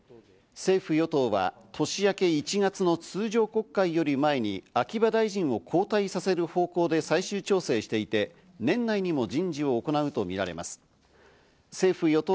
政府・与党は年明け１月の通常国会より前に秋葉大臣を交代させる方向で最終調整していて、年内にも人事を行うとみられます。